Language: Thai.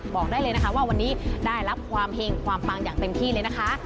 บอกได้เลยนะคะว่าวันนี้ได้รับความเห็งความปังอย่างเต็มที่เลยนะคะ